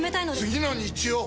次の日曜！